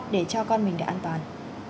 để cho con mình được an toàn